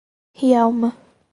Rialma